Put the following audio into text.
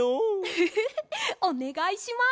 フフフフおねがいします。